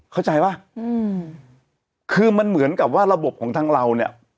เข้าใจป่ะคือมันเหมือนกับว่าระบบของทั้งเรา